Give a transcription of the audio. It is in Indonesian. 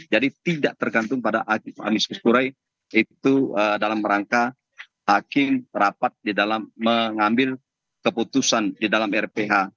jadi tidak tergantung pada amikus kure itu dalam rangka hakim rapat di dalam mengambil keputusan di dalam rph